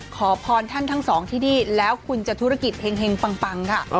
ขอพรท่านทั้งสองที่นี่แล้วคุณจะธุรกิจเห็งปังค่ะ